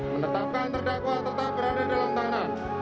menetapkan terdakwa tetap berada dalam tangan